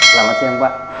selamat siang pak